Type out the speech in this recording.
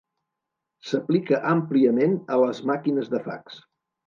S'aplica àmpliament a les màquines de fax.